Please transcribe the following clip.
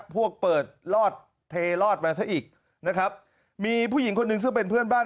เปิดลอดเทลอดมาซะอีกนะครับมีผู้หญิงคนหนึ่งซึ่งเป็นเพื่อนบ้าน